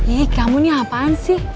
ihh kamu nih apaan sih